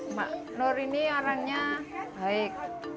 mbak nur ini orangnya baik